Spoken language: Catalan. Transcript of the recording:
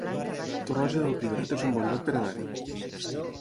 Torroja del Priorat es un bon lloc per anar-hi